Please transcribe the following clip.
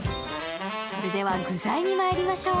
それでは具材にまいりましょう。